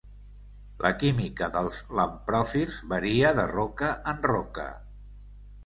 La química dels lampròfirs varia de roca en roca.